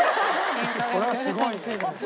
これはすごいね。